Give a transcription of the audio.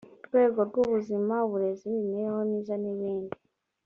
rwego rw ubuzima uburezi imibereho myiza n ibindi